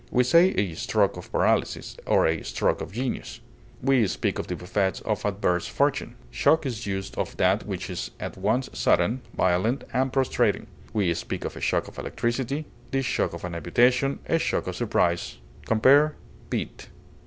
We say a stroke of paralysis, or a stroke of genius. We speak of the buffets of adverse fortune. Shock is used of that which is at once sudden, violent, and prostrating; we speak of a shock of electricity, the shock of an amputation, a shock of surprise. Compare BEAT.